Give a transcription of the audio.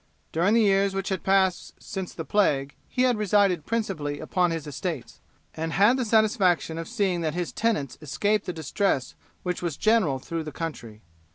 During the years which had passed since the plague he had resided principally upon his estates, and had the satisfaction of seeing that his tenants escaped the distress which was general through the country.